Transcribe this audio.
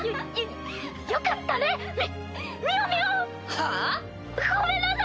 はあ⁉ごめんなさい！